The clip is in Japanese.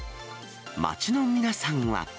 街の皆さんは。